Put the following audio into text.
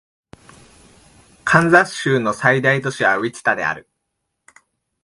カンザス州の最大都市はウィチタである